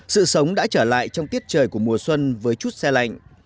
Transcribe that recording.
sự sống đã trở lại trong tiết trời của mùa xuân với chút xe lạnh